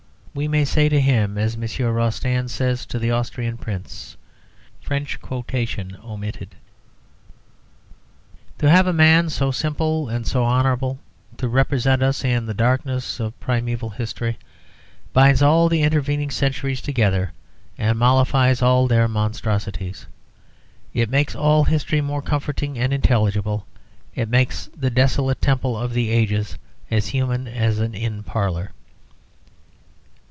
We may say to him, as M. Rostand says to the Austrian Prince: "Dors, ce n'est pas toujours la Légende qui ment: Une rêve est parfois moins trompeur qu'un document." To have a man so simple and so honourable to represent us in the darkness of primeval history, binds all the intervening centuries together, and mollifies all their monstrosities. It makes all history more comforting and intelligible; it makes the desolate temple of the ages as human as an inn parlour.